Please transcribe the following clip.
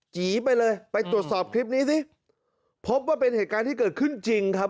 จีไปเลยไปตรวจสอบคลิปนี้สิพบว่าเป็นเหตุการณ์ที่เกิดขึ้นจริงครับ